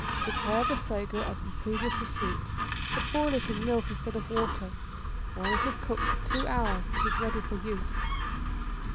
= Prepare the sago as in previous receipt, but boil it in milk instead of water; and when it has cooked for two hours it is ready for use.